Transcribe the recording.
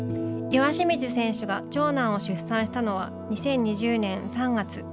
岩清水選手が長男を出産したのは、２０２０年３月。